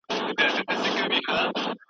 زده کړې نجونې ستونزې ګډې څېړي.